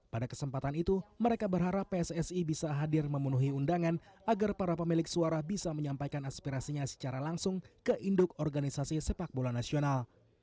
pada kesempatan itu mereka berharap pssi bisa hadir memenuhi undangan agar para pemilik suara bisa menyampaikan aspirasinya secara langsung ke induk organisasi sepak bola nasional